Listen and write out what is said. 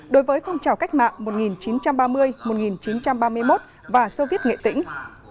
đối với phong trào cách mạng một nghìn chín trăm ba mươi một nghìn chín trăm ba mươi một và soviet nghệ tĩnh